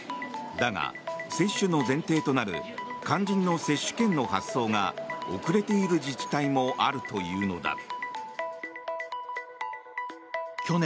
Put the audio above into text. だが、接種の前提となる肝心の接種券の発送が遅れている自治体もあるというのだ。